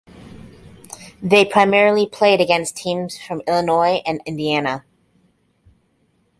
They primarily played against teams from Illinois and Indiana.